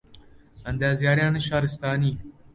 ئەندازیارانی شارستانی